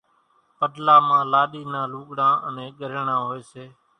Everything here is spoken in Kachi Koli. پڏلا مان لاڏِي نان لوُڳڙان انين ڳريڻان هوئيَ سي۔